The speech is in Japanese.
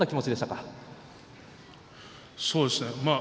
そうですね。